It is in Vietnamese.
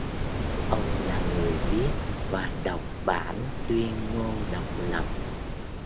Ông là người viết và đọc bản Tuyên ngôn Độc lập